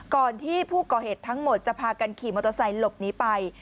ก่อนที่ผู้ก่อเหตุทั้งหมดจะพากันขี่มอเตอร์ไซค์หลบหนีไป